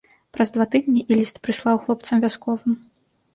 Праз два тыдні і ліст прыслаў хлопцам вясковым.